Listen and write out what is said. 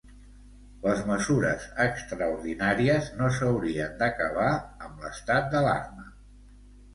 Les mesures extraordinàries no s'haurien d'acabar amb l'estat d'alarma.